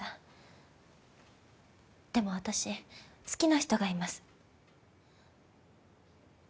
でも私好きな人がいます。